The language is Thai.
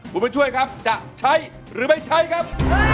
คุณบุญช่วยครับจะใช้หรือไม่ใช้ครับ